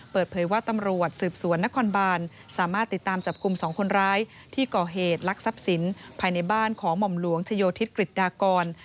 เปิดเผยว่าตำรวจสืบสวนนครบานสามารถติดตามจับกลุ่ม๒คนร้ายที่ก่อเหตุลักษัพสินภายในบ้านของหม่อมหลวงชโยธิศกฤษดากร